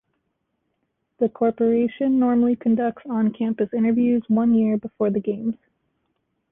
The corporation normally conducts on-campus interviews one year before the games.